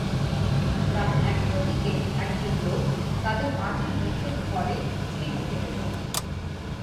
রাত একটার দিকে একজন লোক তাঁদের মাটির মেঝের ঘরে সিঁধ কেটে ঢোকে।